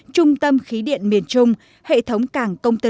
trung tâm khí điện miền trung hệ thống cảng công tư